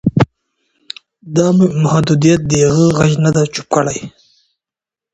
دا محدودیت د هغې غږ نه دی چوپ کړی.